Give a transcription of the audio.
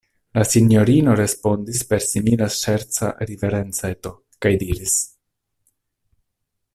La sinjorino respondis per simila ŝerca riverenceto, kaj diris: